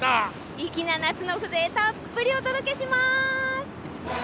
粋な夏の風情たっぷりお届けします。